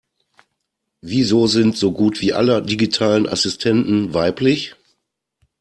Wieso sind so gut wie alle digitalen Assistenten weiblich?